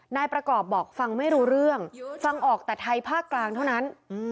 นายประกอบบอกฟังไม่รู้เรื่องฟังออกแต่ไทยภาคกลางเท่านั้น